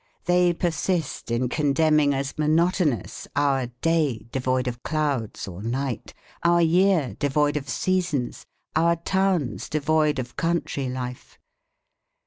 They persist in condemning as monotonous our day devoid of clouds or night; our year, devoid of seasons; our towns devoid of country life.